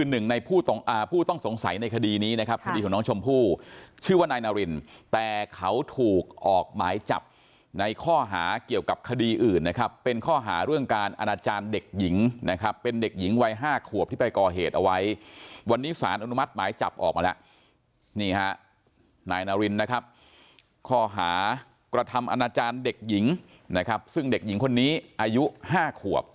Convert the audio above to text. นายนารินข้อหากระทำอาณาจารย์เด็กหญิงซึ่งเด็กหญิงคนนี้อายุ๕ขวบ